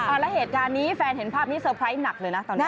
แล้วเหตุการณ์นี้แฟนเห็นภาพนี้เตอร์ไพรส์หนักเลยนะตอนนี้